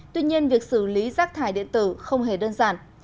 tuy nhiên việc xử lý rác thải điện tử không hề đơn giản